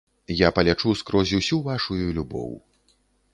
Я палячу скрозь усю вашую любоў.